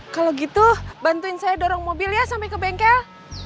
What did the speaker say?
kalau gitu bantuin saya dorong mobil ya sampai ke bengkel